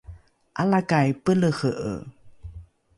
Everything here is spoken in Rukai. ’alakai pelehe’e